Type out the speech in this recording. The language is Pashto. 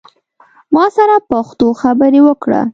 ما سره پښتو خبری اوکړه